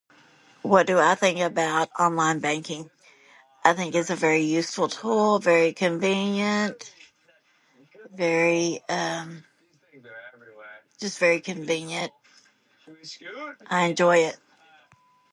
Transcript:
What do I think about online banking? I think it's a very useful tool, very convenient, very, um, just very convenient. I enjoy it.